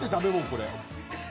これ。